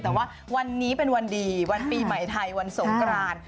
แต่ว่าวันนี้เป็นวันดีวันปีใหม่ไทยวันสงกราน